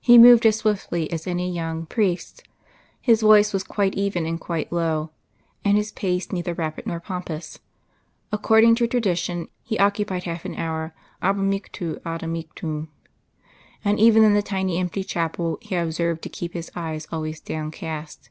He moved as swiftly as any young priest, His voice was quite even and quite low, and his pace neither rapid nor pompous. According to tradition, He occupied half an hour ab amictu ad amictum; and even in the tiny empty chapel He observed to keep His eyes always downcast.